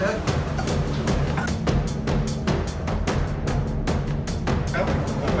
ได้รับการยืนยันว่า